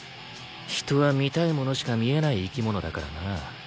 人は見たいものしか見えない生き物だからな。